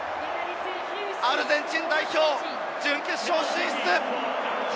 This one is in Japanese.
アルゼンチン代表、準決勝進出！